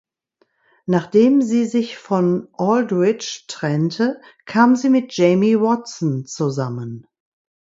Nachdem sie sich von Aldridge trennte, kam sie mit Jamie Watson zusammen.